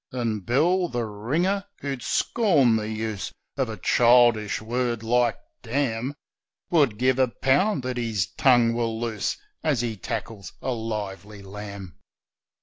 And Bill, the ringer, who'd scorn the use Of a childish word like ' damn,' Would give a pound that his tongue were loose As he tackles a lively lamb.